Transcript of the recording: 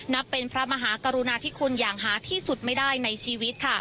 นับเป็นพระมหากรุณาธิคุณอย่างหาที่สุดไม่ได้ในชีวิตค่ะ